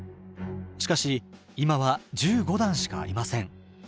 しかし今は１５段しかありません。